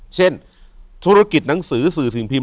เช่นธุรกิจหนังสือสื่อสิ่งพิพ